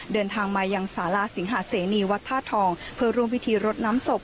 เดินทางมายังสาราสิงหาเสนีวัดธาตุทองเพื่อร่วมพิธีรดน้ำศพ